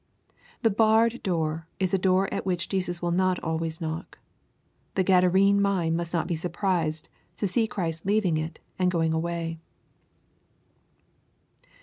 The barred door is a door at which Jesus will not always knock. The Gadarene mind must not be surprised to see Christ leaving it and going away.